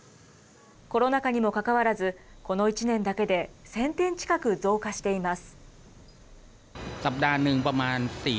コロナ禍にもかかわらず、この１年だけで１０００店近く増加しています。